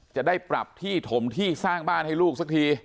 จะได้ปรับที่ถมที่สร้างบ้านให้ลูกสักที